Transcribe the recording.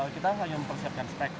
kita hanya mempersiapkan spek